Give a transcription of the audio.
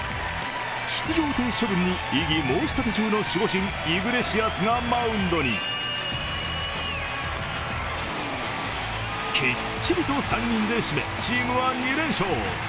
出場停止処分に異議申し立て中の守護神・イグレシアスがマウンドにきっちりと３人で締めチームは２連勝。